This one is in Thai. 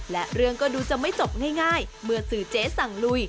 และเรื่องก็ดูจะไม่จบง่ายเมื่อสื่อเจ๊สั่งลุย